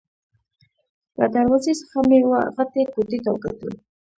له دروازې څخه مې وه غټې کوټې ته وکتل.